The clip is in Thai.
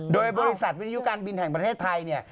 โดยบริษัทวิทยุการบินแห่งประเทศไทยเนี่ย